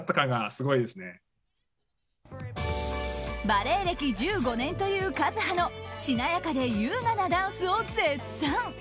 バレエ歴１５年というカズハのしなやかで優雅なダンスを絶賛。